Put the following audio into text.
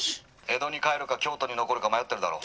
「江戸に帰るか京都に残るか迷ってるだろ」。